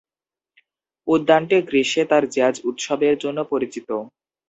উদ্যানটি গ্রীষ্মে তার জ্যাজ উৎসবের জন্য পরিচিত।